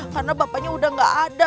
karena bapaknya udah gak ada